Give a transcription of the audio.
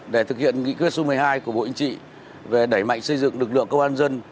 để thực hiện nghị quyết số một mươi hai của bộ yên trị về đẩy mạnh xây dựng lực lượng công an dân